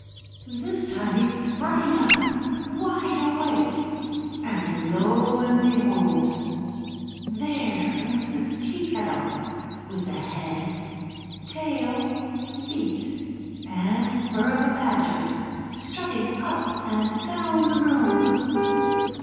This time he sprang up, wide awake, and lo and behold! there was the Tea kettle, with the head, tail, feet, and fur of a badger strutting up and down the room!